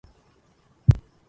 قتل الحب يا ليالي الوداد